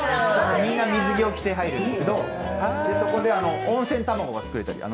みんな水着を着て入るんですけどそこで温泉卵が作れたり。